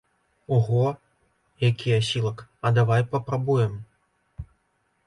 Ого, які асілак, а давай папрабуем?